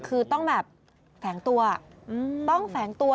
คือต้องแบบแฝงตัว